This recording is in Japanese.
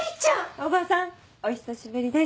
おばさんお久しぶりです。